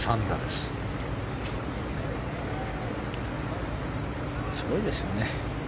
すごいですね。